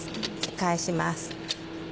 返します。